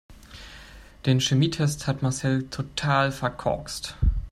Den Chemietest hat Marcel total verkorkst.